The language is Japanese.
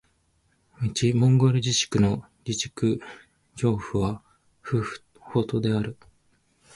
内モンゴル自治区の自治区首府はフフホトである